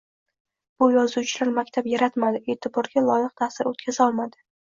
Bu yozuvchilar maktab yaratmadi, e’tiborga loyiqta’sir o‘tkazolmadi